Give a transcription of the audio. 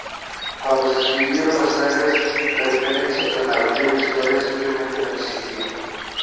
Cuando se escribieron las sagas, la diferencia entre narrativa e historia simplemente no existía.